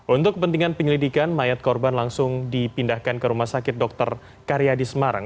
untuk kepentingan penyelidikan mayat korban langsung dipindahkan ke rumah sakit dr karyadi semarang